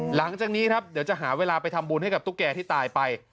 หลังจากนี้ครับเดี๋ยวจะหาเวลาไปทำบุญให้กับตุ๊กแก่ที่ตายไป